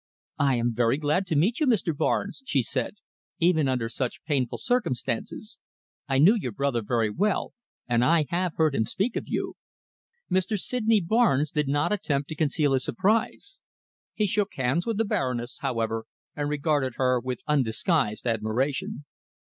"I am very glad to meet you, Mr. Barnes," she said, "even under such painful circumstances. I knew your brother very well, and I have heard him speak of you." [Illustration: "AT THE SIGHT OF THE TWO MEN, THE BARONESS STOPPED SHORT"] Mr. Sydney Barnes did not attempt to conceal his surprise. He shook hands with the Baroness, however, and regarded her with undisguised admiration.